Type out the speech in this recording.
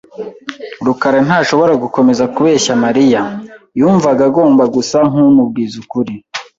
rukara ntashobora gukomeza kubeshya Mariya .Yumvaga agomba gusa kumubwiza ukuri .